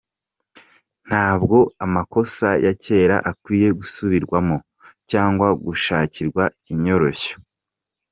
Ntabwo amakosa ya kera akwiye gusubirwamo cg gushakirwa inyoroshyo.